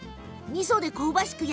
みそで香ばしく